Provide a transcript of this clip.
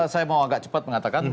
saya mau agak cepat mengatakan